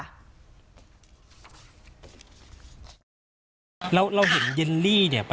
ที่โพสต์ก็คือเพื่อนผู้หญิงต้องการจะเตือนเพื่อนผู้หญิงในเฟซบุ๊คเท่านั้นค่ะ